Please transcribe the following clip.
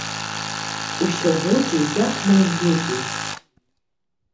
Усё будзе як найлепей.